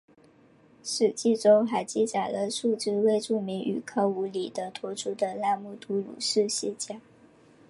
史籍中还记载了数支未注明与康武理等同族的那木都鲁氏世家。